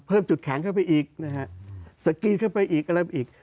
เพิ่มจุดแข็งเข้าไปอีกสกรีดเข้าไปอีก